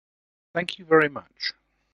Thank you very much.